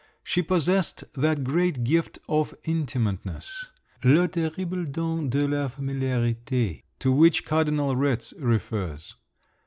She possessed that great gift of "intimateness"—le terrible don de la familiarité—to which Cardinal Retz refers.